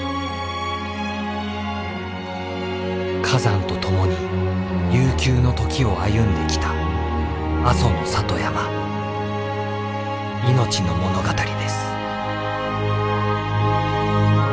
火山と共に悠久の時を歩んできた阿蘇の里山命の物語です。